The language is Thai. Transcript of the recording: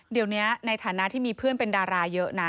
เดี๋ยวนี้ในฐานะที่มีเพื่อนเป็นดาราเยอะนะ